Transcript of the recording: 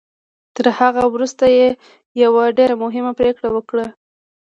تر هغه وروسته يې يوه ډېره مهمه پريکړه وکړه.